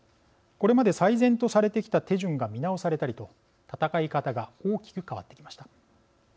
これまで最善とされてきた手順が見直されたりと戦い方が大きく変わってきました。